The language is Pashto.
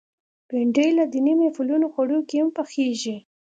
بېنډۍ له دینی محفلونو خوړو کې هم پخېږي